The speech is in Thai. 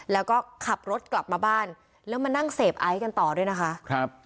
แล้วก็ขับรถกลับมาบ้านแล้วมานั่งเสพไอซ์กันต่อด้วยนะคะครับ